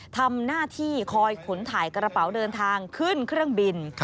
ทำหน้าที่คอยขนถ่ายกระเป๋าเดินทางขึ้นเครื่องบิน